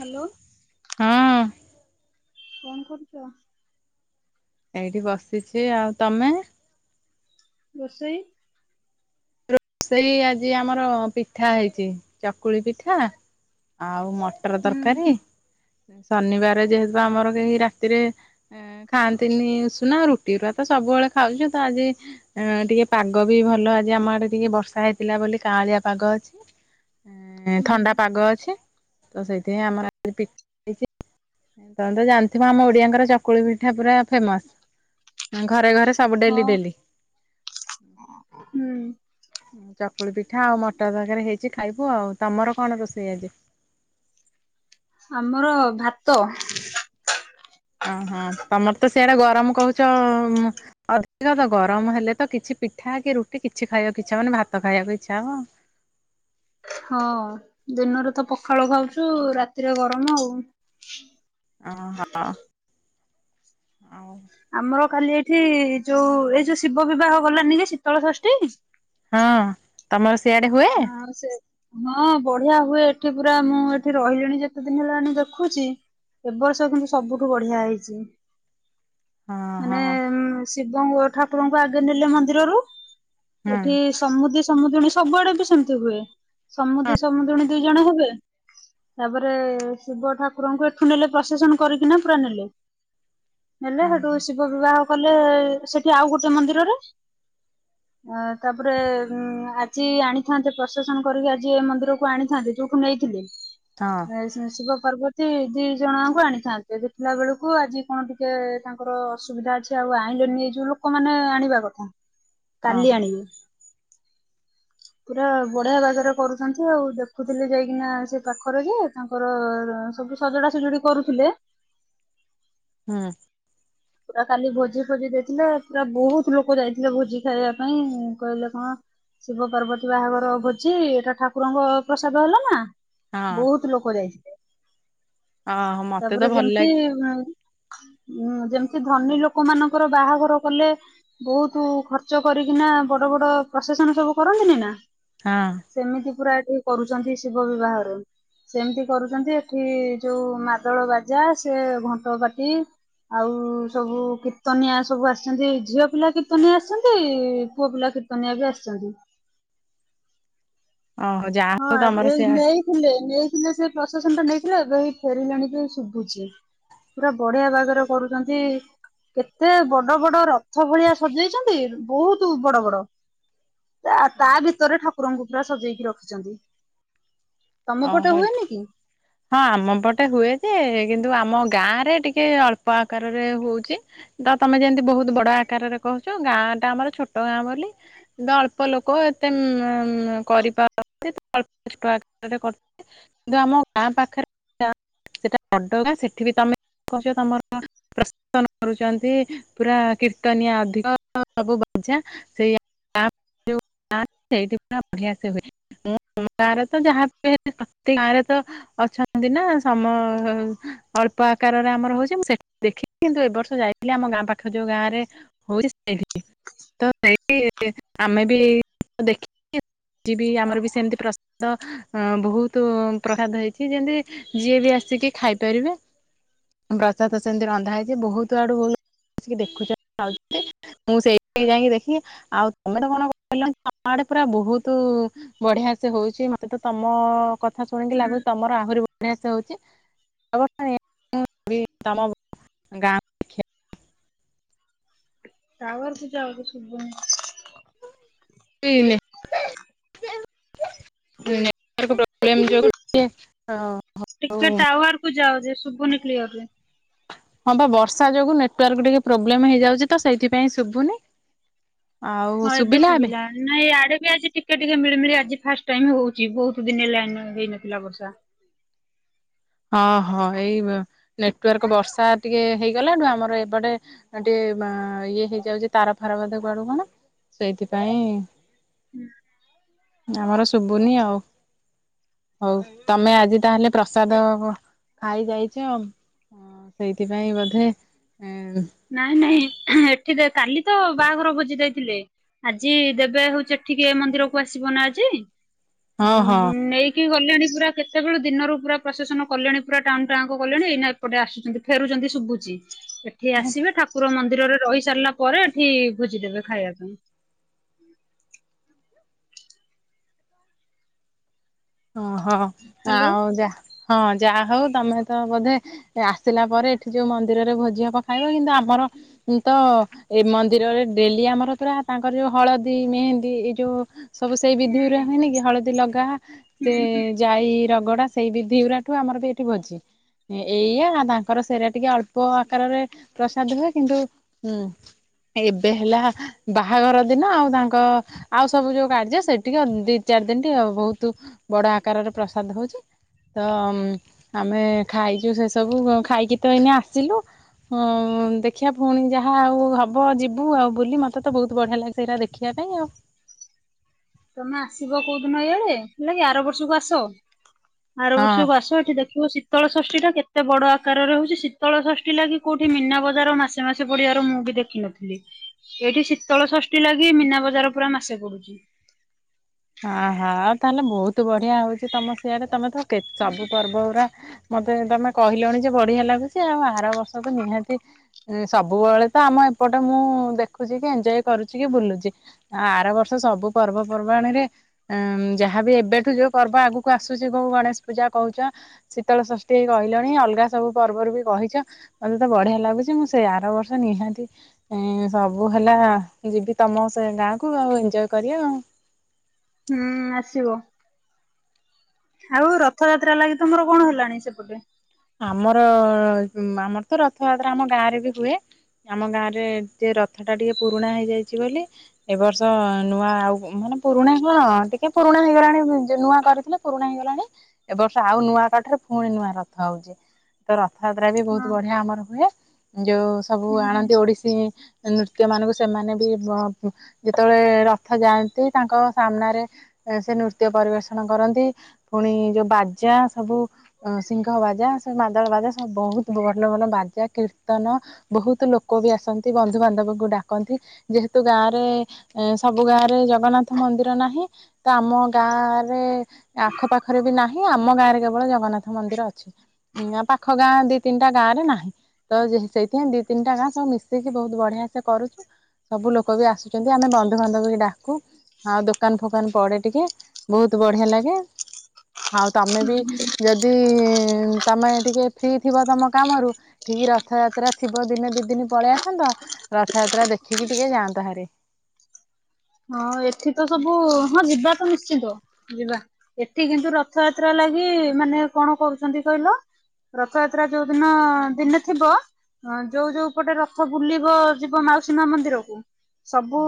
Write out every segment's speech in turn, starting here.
Hello, ହଁ କଣ କରୁଚ? ଏଇଠି ବସିଚି ଆଉ, ତମେ? ରୋଷେଇ? ରୋଷଇ ଆଜି ଆମର ପିଠା ହେଇଚି, ଚକୁଳି ପିଠା ଆଉ ମ ଟର ହୁଁ ତରକାରୀ, ଶନିବାର ଯେହେତୁ ଆମର କେହି ରାତିରେ ଖାଆନ୍ତିନି ଉସୁନା ରୁଟି [unintelligible] ତ ସବୁବେଳେ ଖାଉଚୁ, ତ ଆଜି ହଁ ଟିକେ ପାଗ ବି ଭଲ ଆଜି ଆମ ଆଡେ [unintelligible] ବର୍ଷା ହେଇଥିଲା ବୋଲି [unintelligible] ପାଗ ଅଛି, ହୁଁ ଥଣ୍ଡା ପାଗ ଅଛି। ତ ସେଇଥିପାଇଁ ଆମର [inaudible] ତମେ ତ ଜାଣିଥିବ ଆମ ଓଡିଆଙ୍କର ଚକୁଳି ପିଠା ପୁରା ଫେମସ୍। ଘରେ-ଘରେ ସବୁ ହଁ ଡେଲି-ଡେଲି। ହୁଁ। ଚକୁଳି ପିଠା ଆଉ ମଟର ତରକାରୀ ହେଇଚି ଖାଇବୁ ଆଉ ତମର କଣ ରୋଷେଇ ଆଜି? ଆମର ଭାତ ଓହୋ, ତମର ତ ସେଆଡେ ଗରମ୍ କହୁଚ ଅଧିକ ତ ଗରମ୍ ହେଲେ ତ କିଛି ପିଠା କି ରୁଟି କିଛି ଖାଇବାକୁ ଇଚ୍ଛା ହବନି, ଭାତ ଖାଇବାକୁ ଇଚ୍ଛା ହବ। ହଁ ଦିନରେ ତ ପଖାଳ ଖାଉଚୁ, ରାତିରେ ଗରମ ଆଉ। ଅ-ହ। [unintelligible] ଆମର ଖାଲି ଏଇଠି ଯୋଉ ଏଇ ଯୋଉ ଶିବ ବିବାହ ଗଲାନି କି ଶୀତଳ ଷଷ୍ଠୀ ହଁ। ତମର ସେଆଡେ ହୁଏ? ହଁ ସେ ହଁ ବଢିଆ ହୁଏ ଏଠି ପୁରା ମୁଁ ଏଠି ରହିଲେଣି ଯେତେ ଦିନ୍ ହେଲାଣି ଦେଖୁଚି ଏବର୍ଷ କିନ୍ତୁ ସବୁଠୁ ବଢିଆ ହେଇଚି। ହଁ ମାନେ ହଁ ଶିବ ଠାକୁରଙ୍କୁ ଆଗେ ନେଲେ ମନ୍ଦିରରୁ ହୁଁ ଏଠି ସମୁଦି ସମୁଦୁଣୀ ସବୁଆଡେ ବି ସେମ୍ତି ହୁଏ, ସମୁଦି ସମୁଦୁଣୀ ଦୁଇ ଜଣ ହବେ। ତାପରେ ଶିବ ଠାକୁରଙ୍କୁ ଏଠୁ ନେଲେ ପ୍ରଶେସନ କରିକିନା ପୁରା ନେଲେ। ହେଲେ ହେଟୁ ହଁ ଶିବ ବିବାହ କଲେ ସେଠି ଆଉ ଗୋଟେ ମନ୍ଦିରରେ। ଅ ତାପରେ ଆଜି ଆଣି ଥାନ୍ତେ ପ୍ରସେସନ କରିକି ଆଜି ଏ ମନ୍ଦିରକୁ ଆଣିଥାନ୍ତେ ଯୋଉଠୁ ନେଇଥିଲେ। ହଁ। ଶିବ ପାର୍ବତୀ ଦି ଜଣଙ୍କୁ ଆଣିଥାନ୍ତେ ଦେଖିଲା ବେଳକୁ ଆଜି କଣ ଟିକେ ତାଙ୍କର ଅସୁବିଧା ଅଛି ଆଉ ଆଣିଲେନି ଏ ଯୋଉ ଲୋକମାନେ ଆଣିବା କଥା। ଓହୋ କାଲି ଆଣିବି। ପୁରା ବଢିଆ ବାଗେରେ କରୁଛନ୍ତି ଆଉ ଦେଖୁଥିଲି ଯାଇକିନା ସେ ପାଖରେ ଯେ ତାଙ୍କର ସବୁ ସଜଡା ସଜଡି କରୁଥିଲେ। ହୁଁ। ପୁରା କାଲି ଭୋଜି ଫୋଜି ଦେଇଥିଲେ ପୁରା ବହୁତ ଲୋକ ଯାଇଥିଲେ ଭୋଜି ଖାଇବା ପାଇଁ କହିଲେ କଣ ଶିବ ପାର୍ବତୀ ବାହାଘର ଭୋଜି ଏଟା ଠାକୁରଙ୍କ ପ୍ରସାଦ ହେଲା ନା? ହଁ ବହୁତ ଲୋକ ଯାଇଥିଲେ। ଓହୋ ମତେ ତ ତାପରେ ଭଲ ଯେମିତି ଲାଗେ ଯେମ ସେ ଧନୀ ଲୋକ ମାନଙ୍କର ବାହାଘର କଲେ ବହୁତ ଖର୍ଚ୍ଚ କରିକିନା ବଡ ବଡ ପ୍ରସେସନ ସବୁ କରନ୍ତିନେଇ ନା? ହଁ। ସେମିତି ପୁରା ଏଠି କରୁଛନ୍ତି ଶିବ ବିବାହରେ। ସେମିତି କରୁଛନ୍ତି ଏଠି ଯୋଉ ମାଦଳ ବାଜା ସେ ଘଣ୍ଟ ବାଟି ଆଉ ସବୁ କୀର୍ତ୍ତନିଆ ସବୁ ଆସିଛନ୍ତି ଝିଅ ପିଲା କୀର୍ତ୍ତନିଆ ଆସିଛନ୍ତି ପୁଅ ପିଲା କୀର୍ତ୍ତନିଆ ବି ଆସିଛନ୍ତି। ଅ ହ ହଁ ଦେଇ ନେଇ ଥିଲେ ନେଇଥିଲେ ସେ ପ୍ରଶାସନ ଟା ନେଇଥିଲେ ଏବେ ହେଇ ଫେରିଲେଣି କି ଶୁଭୁଛି। ପୁରା ବଢିଆ ବାଗରେ କରୁଛନ୍ତି। କେତେ ବଡ ବଡ ରଥ ଭଳିଆ ସଜେଇଛନ୍ତି ବହୁତ ବଡ ବଡ। ତା ତା ଭିତରେ ଠାକୁରଙ୍କୁ ପୁରା ସଜେଇକି ରଖିଛନ୍ତି। ତମ ଅ ପଟେ ହ। ହୁଏନି କି? ହଁ ଆମ ପଟେ ହୁଏ ଯେ କିନ୍ତୁ ଆମ ଗାଁ ରେ ଟିକେ ଅଳ୍ପ ଆକାରରେ ହଉଛି। ତ ତମେ ଯେମିତି ବହୁତ ବଡ ଆକାରରେ କହୁଛ ଗାଁ ଟା ଆମର ଛୋଟ ଗାଁ ବୋଲି ତ ଅଳ୍ପ ଲୋକ ଏତେ କରିପାରନ୍ତି [unintelligible] କିନ୍ତୁ ଆମ ଗାଁ ପାଖରେ ସେଟା ସେଟା ବଡ ଗାଁ ସେଠି ବି ତମେ କହୁଛ ତମର ପ୍ରଶସନ କରୁଛନ୍ତି ପୁରା କୀର୍ତ୍ତନିଆ ଅଧିକ ସବୁ ବଜା ସେଇ [unintelligible] ସେଇଠି ପୁରା ବଢିଆ ସେ ହୁଏ ମୁଁ [unintelligible] ତ ଯାହାବି ହେଲେ ପ୍ରତି ଗାଁ ରେ ତ ଅଛନ୍ତି ନା ସମ ଅଳ୍ପ ଆକାରରେ ଆମର ହଉଛି ମୁ ସେ ଦେଖି କିନ୍ତୁ ଏ ବର୍ଷ ଯାଇଥିଲି ଆମ ଗାଁ ପାଖ ଯୋଉ ଗାଁ ରେ ହଉଛି ସେଠି। ତ ସେଇ ଆମେ ବି ଦେଖି ଆମର ବି ସେମିତି ପ୍ର ତ ବହୁତ ପ୍ରସାଦ ହେଇଛି ଯେମତି ଯିଏ ବି ଆସିକି ଖାଇପାରିବେ। ପ୍ରସାଦ ସେମିତି ରନ୍ଧା ହେଇଛି ବହୁତ ଆଡୁ [unintelligible] ଦେଖୁଛନ୍ତି [unintelligible] ମୁଁ ସେଇ ଯାଇକି ଦେଖି ଆଉ ତମେ ତ କଣ କହିଲ ତମ ଆଡେ ପୁରା ବହୁତ ବଢିଆ ସେ ହଉ ଛି ମତେ ତ ତମ କଥା ଶୁଣିକି ହୁଁ ଲାଗୁଛି ତମର ଆହୁରି ବେଷ୍ଟ ହଉଛି [unintelligible] ତମ ଗାଁ ତାୱାରେ ସିଝା ହୋଉଛି ସୁପୁଣି। ହୁନ [inaudible] ନେଟୱାର୍କ ପ୍ରୋବଲେମ ଯୋଗୁ। [inaudible] ଟିକେ ଟାୱଆରକୁ ଯାଉ ଯେ ଶୁଭୁନି କ୍ଲିୟରରେ। ହଁ ବା ବର୍ଷା ଯୋଗୁ ନେଟୱାର୍କ ଟିକେ ପ୍ରୋବ୍ଲେମ ହେଇଯାଉଛି ତ ସେଇଥିପାଇଁ ଶୁଭୁନି। ଆଉ ହଁ ଏବେ ଶୁଭିଲା ସୁୁଭିଲା। ନାଇଁ ଆଡେ ବି ଆଜି ଟିକେ ଟିକେ ମିଳିମିଳି ଆଜି ଫାଷ୍ଟ ଟାଇମ ହଉଛି ବହୁତ ଦିନ ହେଲା ହେଇନଥିଲା ବର୍ଷା। ଅହ ଏଇ ନେଟୱାର୍କ ବର୍ଷା ଟିକେ ହେଇଗଲାଠୁ ଆମର ଏପଟେ ଟିକେ ଇଏ ହେଇଯାଉଛି ତାର ଫାର ବୋଧେ କୁଆଡୁ କଣ ସେଇଥିପାଇଁ ଆମର ଶୁଭୁନି ଆଉ। ହଉ ତମେ ଆଜି ତାହେଲେ ପ୍ରସାଦ ହଁ ଆଇ ଯାଇଛି ସେଇଥିପାଇଁ ବୋଧେ ନାଇଁ ନାଇଁ ଏଠି କାଲି ତ ବାହାଘର ଭୋଜି ଯାଇଥିଲେ। ଆଜି ଦେବେ ହଉଚ ଏଠିକେ ଏ ମନ୍ଦିରକୁ ଆସିବ ନା ଆଜି ହଁ ହଁ ନେଇକି ନେଇକି ଗଲେଣି ପୁରା କେତେବେଳେ ଦିନରୁ ପୁରା ପ୍ରଶାସନ କଲେଣି ପୁରା ଟାଉନ ଟା ଆଙ୍କ କଲେଣି ଏଇନା ଏପଟେ ଆସୁଛନ୍ତି ଫେରୁଛନ୍ତି ଶୁଭୁଛି। ଏଠି ଆସିବେ ଠାକୁର ମନ୍ଦିରରେ ରହି ସାରିଲା ପରେ ଏଠି ଭୋଜିଦେବେ ଖାଇବା ପାଇଁ। ଓହଁ ହ୍ୟାଲୋ ଆଉ ଯା ହଁ ଯାହା ହଉ ତମେ ତ ବୋଧେ ଆସିଲା ପରେ ଏଠି ଯୋଉ ମନ୍ଦିରରେ ଭୋଜି ହ୍ ଖାଇବ କିନ୍ତୁ ଆମର ତ ଏ ମନ୍ଦିରରେ ଡେଲି ଆମର ପୁରା ତାଙ୍କର ଯୋଉ ହଳଦୀ ମେହେନ୍ଦୀ ଏଇ ଯୋଉ ସବୁ ସେଇ ବିଧି ଉରା ହୁଁ। ହୁଏନି କି ହଳଦୀ ଲଗା ସେ ହୁଁ ହୁଁ ଯାଇ ରଗଡା ସେଇ ବିଧି ଉରାଠୁ ଆମର ବି ଏଠି ଭୋଜି। ଏଇଆ ତାଙ୍କର ସେ ରା ଟିକେ ଅଳ୍ପ ଆକାରରେ ପ୍ରସାଦ ହୁଏ କିନ୍ତୁ ହୁଁ ଏବେ ହେଲା ବାହାଘର ଦିନ ଆଉ ତାଙ୍କ ଆଉ ସବୁ ଯୋଉ କାର୍ଯ୍ୟ ସେଠିକେ ଦି ଚାରି ଦିନ ଟିକେ ବହୁତ ବଡ ଆକାରରେ ପ୍ରସାଦ ହଉଛି। ତ ଆମେ ଖାଇଛୁ ସେସବୁ ଖାଇକି ତ ଏଇନେ ଆସିଲୁ। ହଁ ଦେଖିବା ପୁଣି ଯାହା ଆଉ ହବ ଯିବୁ ଆଉ ବୁଲି ମତେ ତ ବହୁତ ବଢିଆ ଲାଗେ ସେଇଟା ଦେଖ ଦେଖିବା ପାଇଁ ଆଉ। ତମେ ଆସିବ କୋଉ ଦିନ ଏଇଆଳେ ହେଲା କି ଆର ବର୍ଷକୁ ଆସ। ଆର ହଁ। ବର୍ଷକୁ ଆସ ଏଠି ଦେଖିବ ଶୀ ଶୀତଳ ଷଷ୍ଠୀଟା କେତେ ବଡ଼ ଆକାରରେ ହେଉଛି ଶୀତଳ ଷଷ୍ଠୀ ଲାଗି କଉଠି ମୀନା ବଜାର ମାସେ ମାସେ ପଡ଼ିବାର ମୁଁ ବି ଦେଖିନ ଏଇଠି ଶୀତଳ ଷଷ୍ଠୀ ଲାଗି ମୀନା ବଜାର ପୁରା ମାସେ ପଡୁଛି। ଆହା ତାହେଲେ ବହୁତ ବଢିଆ ହଉଛି ତମ ସିଆଡେ ତମେ ତ ସବୁ ପର୍ବ ଉରା ମତେ ତମେ କହିଲଣି ଯେ ବଢିଆ ଲାଗୁଛି ଆଉ ଆର ବର୍ଷ ତ ନିହାତି ସବୁବେଳେ ତ ଆମ ଏପଟେ ମୁଁ ଦେଖୁଛି କି ଏଞ୍ଜୟ୍ କରୁଛି କି ବୁଲୁଛି। ଆ ଆର ବର୍ଷ ସବୁ ପର୍ବପର୍ବାଣିରେ ଉଁ ଯାହାବି ଏବେଠୁ ଯୋଉ ପର୍ବ ଆଗକୁ ଆସୁଛି କୋଉ ଗଣେଶ ପୂଜା କହୁଛ। ଶୀତଳ ଷଷ୍ଠୀ ଏଇ କହିଲଣି ଅଲଗା ସବୁ ପର୍ବରୁ ବି କହିଛ। ମତେ ତ ବଢିଆ ଲାଗୁଛି ମୁଁ ସେଇ ଆର ବର୍ଷ ନିହାତି ଏଁ ସବୁ ହେଲା ଯିବି ତମ ସେ ଗାଁକୁୁ ଆଉ ଏଞ୍ଜୟ୍ କରିବା ଆଉ। ହୁଁ ଆସିବ। ଆଉ ରଥଯାତ୍ରା ଲାଗି ତମର କଣ ହେଲାଣି ସେପଟେ? ଆମର ଆମର ତ ରଥଯାତ୍ରା ଆମ ଗାଁ ରେ ବି ହୁଏ। ଆମ ଗାଁରେ [unintelligible] ରଥଟା ଟିକେ ପୁରୁଣା ହେଇଯାଇଛି ବୋଲି ଏ ବର୍ଷ ନୂଆ ଆଉ ମାନେ ପୁରୁଣା ହଁ ଟିକେ ପୁରୁଣା ହେଇଗଲାଣି ନୂଆ କରିଥିଲେ। ପୁରୁଣା ହେଇଗଲାଣି ଏବର୍ଷ ଆଉ ନୂଆ କାଠରେ ଫୁଣି ନୂଆ ର ଖାଉଛି, ତ ରଥଯାତ୍ରାବି ବହୁତ ହଁ ବଢିଆ ଆମର ହୁଏ, ଯୋଉ ସବୁ ହୁଁ ହୁଁ ଆଣନ୍ତି ଓଡ଼ିଶୀ। ନୃତ୍ୟ ମାନଙ୍କୁ ସେମାନେ ବି [unintelligible] ଯେତେବେଳେ ରଥ ଯାଆନ୍ତି ତାଙ୍କ ସାମ୍ନାରେ ସେ ନୃତ୍ୟ ପରିବେଷଣ କରନ୍ତି, ପୁଣି ଯୋଉ ବାଜା ସବୁ ସିଂହ ବାଜା, ସେ ମାଦାଳ ବାଜା, ସବୁ ବହୁତ ଭଲ ଭଲ ବାଜା କୀର୍ତ୍ତନ ବହୁତ ଲୋକ ବି ଆସନ୍ତି ବନ୍ଧୁ ବାନ୍ଧବକୁ ଡାକନ୍ତି, ଯେହେତୁ ଗାଁରେ ଏ ସବୁ ଗାଁରେ ଜଗନ୍ନାଥ ମନ୍ଦିର ନାହିଁ। ତ ଆମ ଗାଁରେ ଆଖପାଖରେ ବି ନାହିଁ ଆମ ଗାଁରେ କେବଳ ଜଗନ୍ନାଥ। ମନ୍ଦିର ଅଛି, ଉଁ ଆ ପାଖ ଗାଁ ଦି ତିନିଟା ଗାଁରେ ନାହିଁ। ତ ଯେହେ ସେଇଥିପାଇଁ ଦି ତିନିଟା ଗାଁ ସବୁ ମିଶିକି ବହୁତ ବଢିଆ ସେ କରୁଛୁ। ସବୁ ଲୋକ ବି ଆସୁଛନ୍ତି ଆମେ ବନ୍ଧୁବାନ୍ଧବିକୁ ଡାକୁ। ଆଉ ଦୋକାନ୍ ଫୋକାନ୍ ପଡେ ଟିକେ, ବହୁତ ବଢିଆ ଲାଗେ। ଆଉ ତମେ ବି ହୁଁ ଯଦି [inaudible] ଉଁ ତମେ ଟିକେ ଫ୍ରି ଥିବ ତମ କାମରୁ ଠିକ୍ ରଥଯାତ୍ରା ଥିବ ଦିନେ ଦି ଦିନି ପଳେଇ ଆସନ୍ତ ରଥଯାତ୍ରା ଦେଖିକି ଟିକେ ଯାଆନ୍ତ ହାରି। ହଁ ଏଠି ତ ସବୁ ହଁ ଯିବା ତ ନିଶ୍ଚିନ୍ତ। ଯିବା, ଏଠି କିନ୍ତୁ ରଥଯାତ୍ରା ଲାଗି ମାନେ କଣ କରୁଛନ୍ତି କହିଲ। ରଥଯାତ୍ରା ଯୋଉଦିନ ଦିନେ ଥିବ ହଁ ଯୋଉ ଯୋଉ ପଟେ ରଥ ବୁଲିବ ଯିବ ମାଉସୀ ମା ମନ୍ଦିରକୁ ସବୁ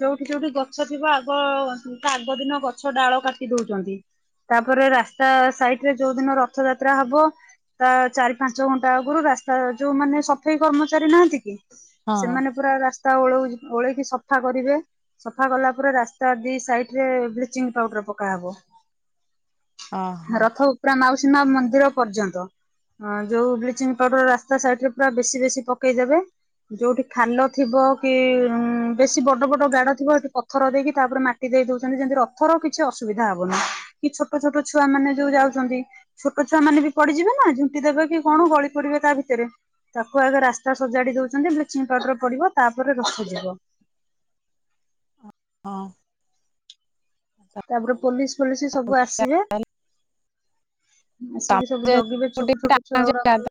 ଯୋଉଠି ଯୋଉଠି ଗ ଗଛ ଥିବ ଆଗ ତା ଆଗ ଦିନ ଗଛ ଡାଳ କାଟି ଦଉଚନ୍ତି। ତାପରେ ରାସ୍ତା ସାଇଟରେ ଯୋଉ ଦିନ ରଥଯାତ୍ରା ହବ ତା ଚାରି ପାଞ୍ଚ ଘଣ୍ଟା ଆଗରୁ ରାସ୍ତା ଯୋଉ ମାନେ ସଫେଇ କର୍ମଚାରୀ ନାହାନ୍ତି କି? ହଁ ସେମାନେ ପୁରା ରାସ୍ତା ଓଳଉଚି ଓଳେଇକି ସଫା କରିବେ। ସଫା ଗଲା ପରେ ରାସ୍ତା ଦି ସାଇଟ୍ ରେ ବ୍ଲିଚିଂ ପାଉଡର ପକାହେବ। ଓହୋ ରଥ ଉପ୍ରା ମାଉସୀ ମା ମନ୍ଦିର ପର୍ଯ୍ୟନ୍ତ। ହଁ ଯୋଉ ବ୍ଲିଚିଂ ପାଉଡର ରାସ୍ତା ସାଇଟ୍ ରେ ପୁରା ବେଶୀ ବେଶୀ ପକେଇଦେବେ। ଯୋଉଠି ଖାଲ ଥିବ କି ଉଁ ବେଶୀ ବଡ଼ ବଡ଼ ଗାଡ ଥିବ ହେଟି ପଥର ଦେଇକି ତାପରେ ମାଟି ଦେଇ ଦଉଛନ୍ତି ଯେମିତି ରଥର କିଛି ଅସୁବିଧା ହବନି। କି ଛୋଟ ଛୋଟ ଛୁଆ ମାନେ ଯୋଉ ଯାଉଛନ୍ତି ଛୋଟ ଛୁଆ ମାନେ ବି ପଡିଯିବେ ନା ଝୁଣ୍ଟି ଦେବେ କି କଣ ଗଳି ପଡିବେ ତା ଭିତରେ। ତାକୁ ଆଗ ରାସ୍ତା ସଜାଡି ଦଉଛନ୍ତି ବ୍ଲିଚିଂ ପାଉଡର ପଡିବ ତାପରେ ରଥ ଯିବ। ହଁ ତାପରେ ପୋଲିସ୍ ଫୋଲିସ୍ ସବୁ ଆସିବେ। ଆସିକି ସବୁ ଜଗିବେ ଛୋଟ ଛୋଟ ଛୁଆ ଗୁଡ଼ାଙ୍କୁ।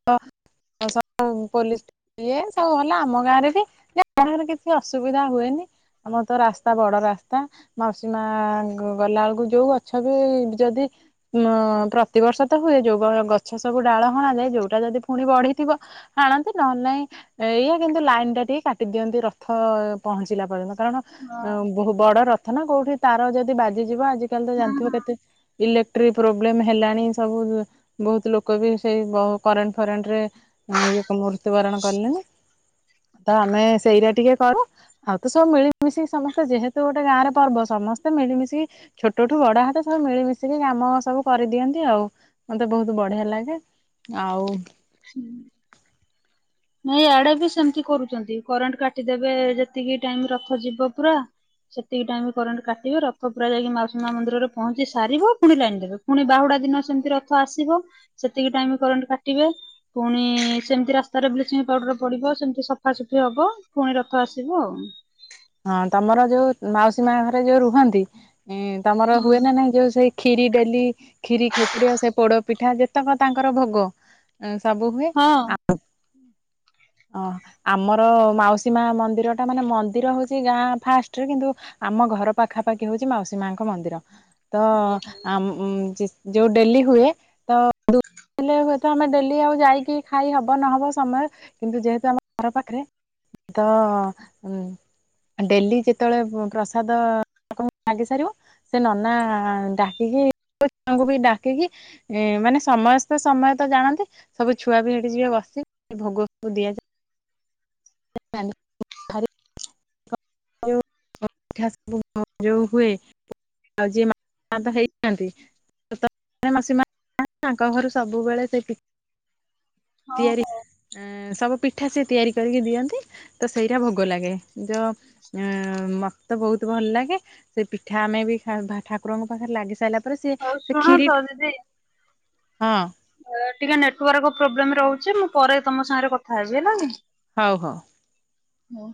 ଆ ସବୁ ପୋଲିସ୍ ଇଏ ସବୁ ଭଲ ଆମ ଗାଁରେ ବି [unintelligible] କିଛି ଅସୁବିଧା ହୁଏନି। ଆମର ତ ରାସ୍ତା ବଡ଼ ରାସ୍ତା। ମାଉସୀ ମା ଗଲା ବେଳକୁ ଯୋଉ ଗଛ ବି ଯଦି ମ ପ୍ରତିବର୍ଷ ତ ହୁଏ ଯୋଉ ବର ଗଛ ସବୁ ଡାଳ ହଣାଯାଏ ଯୋଉଟା ଯଦି ପୁଣି ବଢିଥିବ ହାଣନ୍ତି ନହଲେ ନାଇଁ ଏଇଆ କିନ୍ତୁ ଲାଇନ୍ ଟା ଟିକେ କାଟିଦିଅନ୍ତି ରଥ ପହଞ୍ଚିଲା ପର୍ଯ୍ୟନ୍ତ, କାରଣ ଅଁ ବହୁ ବଡ଼ ରଥ ନା କୋଉଠି ତାର ଯଦି ବାଜିଯିବ ଆଜିକାଲି ତ ହୁଁ ଜାଣିଥିବ ହୁଁ। କେତେ ଇଲେକ୍ଟ୍ରି ପ୍ରୋବ୍ଲେମ ହେଲାଣି ସବୁ ବହୁତ ଲୋକ ବି ସେଇ ବ କରେଣ୍ଟ ଫରେଣ୍ଟରେ ଇଏ ତ ମୃତ୍ୟୁ ବରଣ କଲେଣି ତ ଆମେ ସେଇଟା ଟିକେ କରୁ। ଆଉ ତ ସବୁ ମିଳିମିଶିକି ସମସ୍ତେ ଯେହେତୁ ଗୋଟେ ଗାଁରେ ପର୍ବ ସମସ୍ତେ ମିଳିମିଶିକି ଛୋଟଠୁ ବଡ ହେତେ ସବୁ ମିଳିମିଶିକି କାମ ସବୁ କରିଦିଅନ୍ତି ଆଉ। ମତେ ବହୁତ ବଢିଆ ଲାଗେ ଆଉ ହୁଁ। ନାଇଁ ଇଆଡେ ବି ସେମିତି କରୁଛନ୍ତି କରେଣ୍ଟ କାଟିଦେବେ ଯେତିକି ଟାଇମ ରଖଜିବ ପୁରା। ସେତିକି ଟାଇମ କରେଣ୍ଟ କାଟିବ ରଥ ପୁରା ଯାଇକି ମାଉସୀ ମନ୍ଦିରରେ ପହଞ୍ଚି ସାରିବ ପୁଣି ଲାଇନ ଦେବେ। ପୁଣି ବାହୁଡା ଦିନ ସେମିତି ରଥ ଆସିବ ସେତିକି ଟାଇମ କରେଣ୍ଟ କାଟିବେ। ପୁଣି ସେମିତି ରାସ୍ତାରେ ବ୍ଲିଚିଂ ପାଉଡର ପଡିବ ସେମିତି ସଫାସଫି ହବ ପୁଣି ରଥ ଆସିବ ଆଉ। ହଁ ତମର ଯୋଉ ମାଉସୀ ମା ଘରେ ଯୋଉ ରୁହନ୍ତି ତମର ହୁଏ ନା ନାଇଁ ଯୋଉ ସେଇ ଖିରି ଡେଲି ଖ୍ଷୀରି ଖେଚୁଡ଼ି ସେ ପୋଡ଼ପିଠା ଯେତେକ ତାଙ୍କର ଭୋଗ ସବୁ ହୁଏ ହଁ ହଁ। ଆ ଓ ଆମର ମାଉସୀ ମା ମନ୍ଦିର ଟା ମାନେ ମନ୍ଦିର ହଉଛି ସେ ଗାଁ ଫାଷ୍ଟରେ କିନ୍ତୁ ଆମ ଘର ପାଖା ପାାଖି ହଉଛି ମାଉସୀ ମାଙ୍କ ମନ୍ଦିର। ତ ଓହୋ ଆମ ଯୋଉ ଡେଲି ହୁଏ ତ ହେଲେ ହୁଏତ ଆମେ ଡେଲି ଆଉ ଯାଇକି ଖାଇ ହବ ନହବ ସମୟ କିନ୍ତୁ ଯେହେତୁ ଆମ ଘର ପାଖରେ ତ ହଁ। ଡେଲି ଯେତେବେଳେ ପ୍ରସାଦ ଲାଗି ସାରିବ ସେ ନନା ଡାକିକି ଛୁଆଙ୍କୁ ବି ଡାକିକି ଏ ମାନେ ସମସ୍ତେ ସମୟ ତ ଜାଣନ୍ତି ସବୁ ଛୁଆ ବି ସେଠି ଯିବେ ବସି ଭୋଗ ଦିଆଯାଏ। [unintelligible] [unintelligible] ହେଇଥାନ୍ତି ତାଙ୍କ ଘରୁ ସବୁବେଳେ ସେ। ହଉ ତିଆରି ସବୁ ପିଠା ସେ ତିଆରି କରିକି ଦିଅନ୍ତି ତ ସେଇଟା ଭୋଗ ଲାଗେ ଯ ଅ ମତେ ତ ବହୁତ ଭଲ ଲାଗେ ସେ ପିଠା ଆମେ ବି ଠାକୁରଙ୍କ ପାଖରେ ଲାଗି ସାରିଲା ପରେ ତାପରେ ହଉ ସିଏ ହଉ ସେ ଶୁଣ ଖ୍ଷିରି ତ ଦିଦି ହଁ। ଟିକେ ନେଟୱାର୍କ ଚୁ ପ୍ରୋବ୍ଲେମ ରହୁଛି ମୁଁ ପରେ ତମ ସାଙ୍ଗରେ କଥା ହେବି ହେଲା। ହଉ ହଉ। ହଁ।